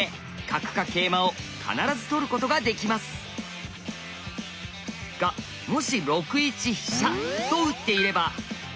角か桂馬を必ず取ることができます！がもし６一飛車と打っていれば。